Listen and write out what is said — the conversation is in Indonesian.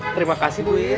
terima kasih bu